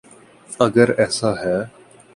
اگر ایسا ہے۔